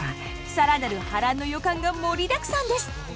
更なる波乱の予感が盛りだくさんです。